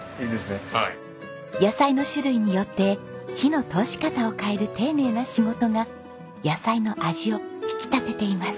野菜の種類によって火の通し方を変える丁寧な仕事が野菜の味を引き立てています。